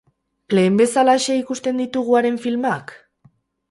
Lehen bezelaxe ikusten ditugu haren filmak?